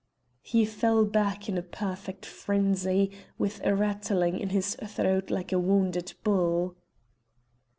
He fell back in a perfect frenzy, with a rattling in his throat like a wounded bull.